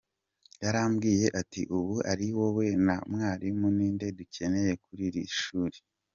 Yarambwiye ati: ubu ari wowe na mwarimu ninde dukeneye kuri iri shuli?